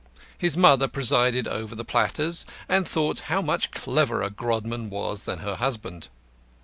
His mother presided over the platters, and thought how much cleverer Grodman was than her husband.